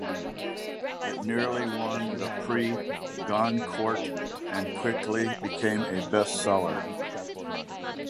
It nearly won the Prix Goncourt and quickly became a bestseller.